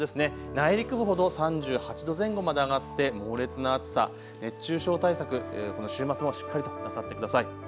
内陸部ほど３８度前後まで上がって、猛烈な暑さ、熱中症対策、この週末もしっかりとなさってください。